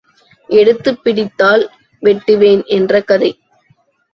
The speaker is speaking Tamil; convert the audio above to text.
எடுத்துப் பிடித்தால் வெட்டுவேன் என்ற கதை.